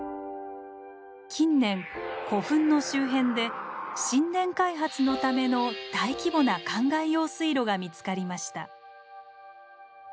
近年古墳の周辺で新田開発のための大規模な潅漑用水路が見つかりました。